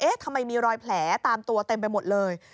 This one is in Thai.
ทำไมมีรอยแผลตามตัวเต็มไปหมดเลย